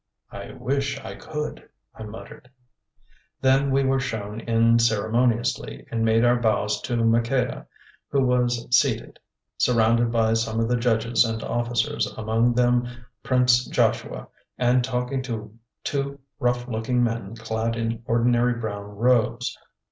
"I wish I could," I muttered. Then we were shown in ceremoniously, and made our bows to Maqueda, who was seated, surrounded by some of the judges and officers, among them, Prince Joshua, and talking to two rough looking men clad in ordinary brown robes.